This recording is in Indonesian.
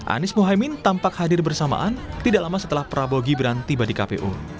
anies mohaimin tampak hadir bersamaan tidak lama setelah prabowo gibran tiba di kpu